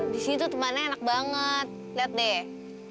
di sini tuh tempatnya enak banget lihat deh